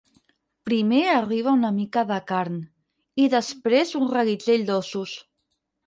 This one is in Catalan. Primer arriba una mica de carn, i després un reguitzell d'ossos.